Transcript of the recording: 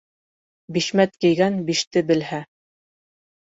Бишмәт кейгән биште белһә